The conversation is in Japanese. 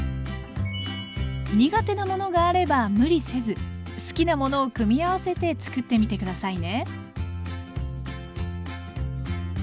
苦手なものがあれば無理せず好きなものを組み合わせて作ってみて下さいね。